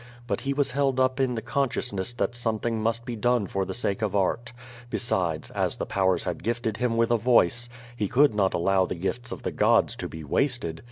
But he was held up in the consciousness that something must be done for the sake of art. Besides, as the powers had gifted him with a voice, he could not allow the gifts of the gods to be wasted.